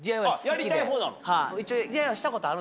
やりたい方なの？